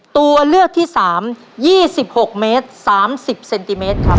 ตัวเลือกที่๓๒๖เมตร๓๐เซนติเมตรครับ